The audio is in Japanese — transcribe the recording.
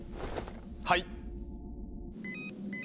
はい。